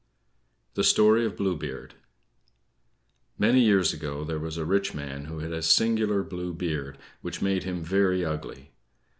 THE STORY OF BLUE BEARD Many years ago there was a rich man who had a singular blue beard, which made him very ugly.